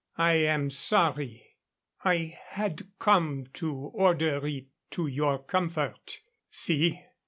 I am sorry. I had come to order it to your comfort. See.